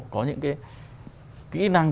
có những cái kỹ năng